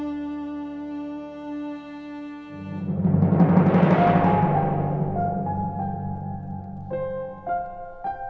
amir kasihan parkurnya